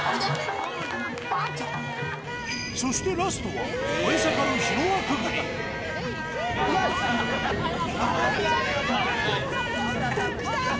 そしてラストは燃え盛る火の輪くぐりいけるの？きた！